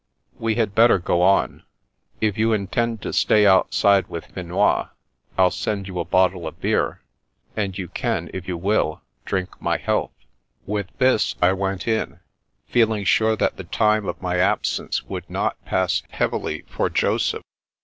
" We had better go on. If you intend to stay outside with Finois, I'll send you a bottle of beer, and you can, if you willy drink my health." I02 The Princess Passes With this I went in, feeling sure that the time of my absence would not pass heavily for Joseph.